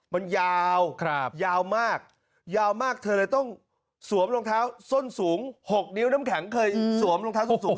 มันยาวยาวมากยาวมากเธอเลยต้องสวมรองเท้าส้นสูง๖นิ้วน้ำแข็งเคยสวมรองเท้าสูง